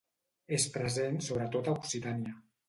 És present sobretot a Occitània.